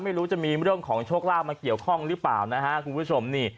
ไม่รู้จะมีเรื่องของโชคลาภมาเกี่ยวข้องหรือเปล่านะฮะคุณผู้ชมนี่